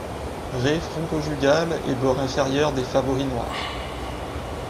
Raie fronto-jugale et bords inférieur des favoris noir.